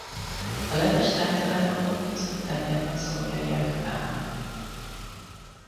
A levest általában lakkozott tányérban szolgálják fel.